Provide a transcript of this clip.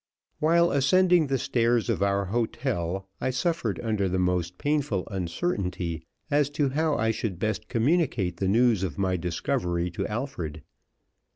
While ascending the stairs of our hotel, I suffered under the most painful uncertainty as to how I should best communicate the news of my discovery to Alfred.